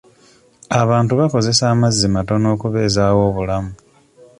Abantu bakozesa amazzi matono okubeezawo obulamu.